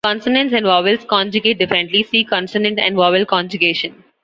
Consonants and vowels conjugate differently, see consonant and vowel conjugation.